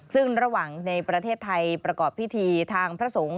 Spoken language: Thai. ซึ่งระหว่างในประเทศไทยประกอบพิธีทางพระสงฆ์